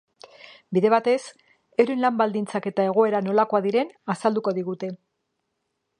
Bide batez, euren lan baldintzak eta egoera nolakoak diren azalduko digute.